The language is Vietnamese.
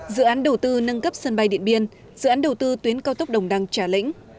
dự án đầu tư nâng cấp sân bay điện biên dự án đầu tư tuyến cao tốc đồng đăng trà lĩnh